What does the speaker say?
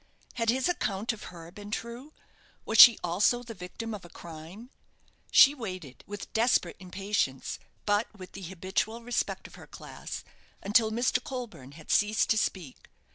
Had his account of her been true? Was she also the victim of a crime? She waited, with desperate impatience, but with the habitual respect of her class, until Mr. Colburne had ceased to speak.